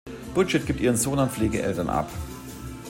Bridget gibt ihren Sohn an Pflegeeltern ab.